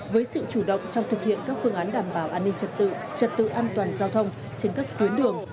với sự chủ động trong thực hiện các phương án đảm bảo an ninh trật tự trật tự an toàn giao thông trên các tuyến đường